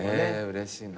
うれしいな。